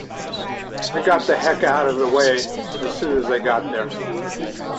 I got the heck out of the way as soon as they got there.